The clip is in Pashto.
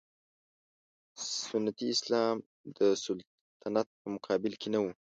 سنتي اسلام د سلطنت په مقابل کې نه و.